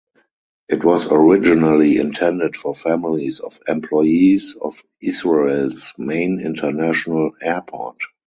It was originally intended for families of employees of Israel's main international airport.